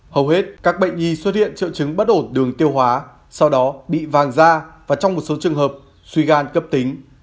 hầu hết các bệnh nhi xuất hiện triệu chứng bất ổn đường tiêu hóa sau đó bị vàng da và trong một số trường hợp suy gan cấp tính